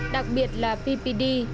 đặc biệt là ppd